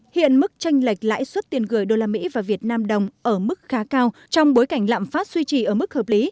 hiện mức tranh lệch lãi suất tiền gửi usd và vnđ ở mức khá cao trong bối cảnh lạm phát suy trì ở mức hợp lý